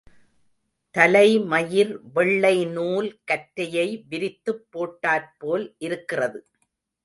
தலைமயிர் வெள்ளை நூல் கற்றையை விரித்துப் போட்டாற்போல் இருக்கிறது.